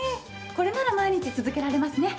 これなら毎日続けられますね。